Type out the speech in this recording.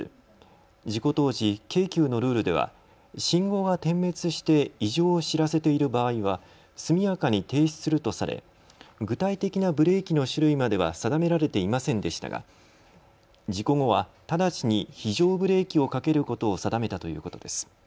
事故当時、京急のルールでは信号が点滅して異常を知らせている場合は速やかに停止するとされ具体的なブレーキの種類までは定められていませんでしたが事故後は直ちに非常ブレーキをかけることを定めたということです。